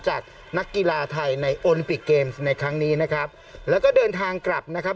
นักกีฬาไทยในโอลิมปิกเกมส์ในครั้งนี้นะครับแล้วก็เดินทางกลับนะครับ